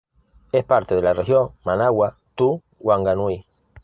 Es parte de la región Manawatu-Wanganui.